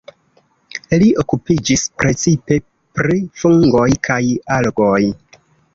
Li okupiĝis precipe pri fungoj kaj algoj.